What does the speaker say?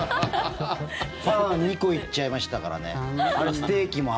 パン２個いっちゃいましたからね。